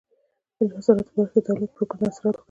د انحصاراتو په برخه کې د دولت پر کړنو اثرات وښندل.